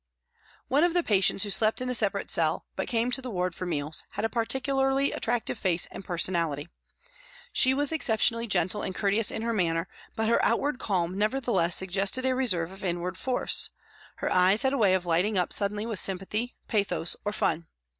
One of the patients who slept in a separate cell, but came to the ward for meals, had a particularly attractive face and personality. She was excep tionally gentle and courteous in her manner, but her outward calm nevertheless suggested a reserve of inward force ; her eyes had a way of lighting up suddenly with sympathy, pathos, or fun.